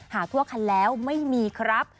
ทั่วคันแล้วไม่มีครับ